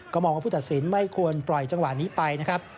มองว่าผู้ตัดสินไม่ควรปล่อยจังหวะนี้ไปนะครับ